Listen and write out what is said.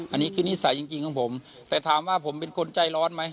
อันนี้คือนิสัยจริงของผมแต่ถามว่าผมเป็นคนใจร้อนไหม